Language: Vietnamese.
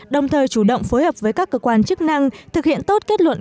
đồng thời chủ động phối hợp với các cơ quan chức năng thực hiện tốt kết luận